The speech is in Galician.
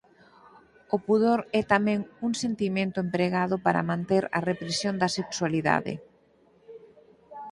O pudor é tamén un sentimento empregado para manter a represión da sexualidade.